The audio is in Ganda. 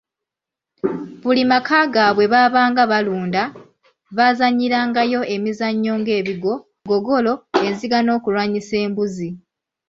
buli maka ga Bwe baabanga balunda, baazannyirangayo emizannyo ng’ebigo, ggogolo, enziga n’okulwanyisa embuzi.